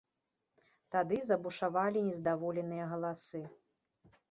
Тады забушавалі нездаволеныя галасы.